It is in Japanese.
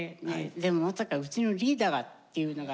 でもまさかうちのリーダーがっていうのが。